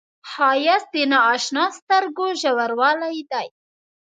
ښایست د نااشنا سترګو ژوروالی دی